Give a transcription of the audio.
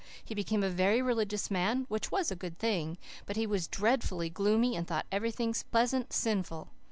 He became a very religious man, which was a good thing, but he was dreadfully gloomy and thought everything pleasant sinful.